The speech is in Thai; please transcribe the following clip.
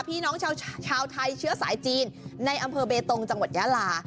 พี่น้องชาวไทยเชื้อสายจีนในอำเภอเบตงจังหวัดยาลา